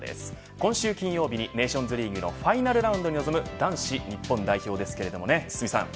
今週金曜日にネーションズリーグのファイナルラウンドに臨む男子日本代表ですが、堤さん。